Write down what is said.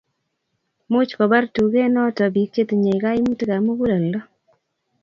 much kobar tugenoto biik che tinyei kaimutikab muguleldo